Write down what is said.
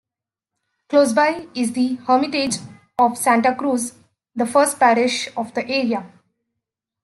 Close by is the Hermitage of Santa Cruz, the first parish of the area.